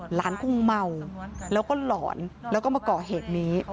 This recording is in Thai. หลานคงเมาแล้วก็หลอนแล้วก็มาก่อเหตุนี้